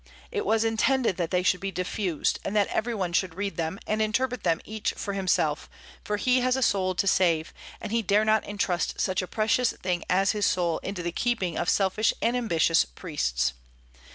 It was intended that they should be diffused, and that every one should read them, and interpret them each for himself; for he has a soul to save, and he dare not intrust such a precious thing as his soul into the keeping of selfish and ambitious priests.